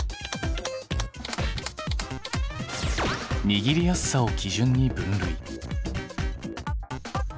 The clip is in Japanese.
握りやすさを基準に分類。